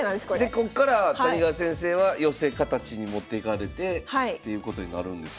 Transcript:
でこっから谷川先生は寄せ形に持っていかれてっていうことになるんですか？